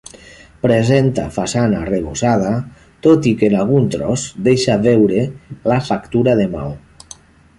Presenta façana arrebossada, tot i que en algun tros deixa veure la factura de maó.